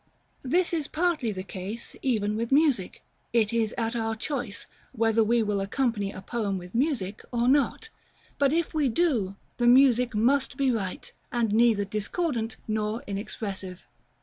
This is partly the case even with music: it is at our choice, whether we will accompany a poem with music, or not; but, if we do, the music must be right, and neither discordant nor inexpressive.